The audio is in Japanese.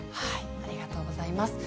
ありがとうございます。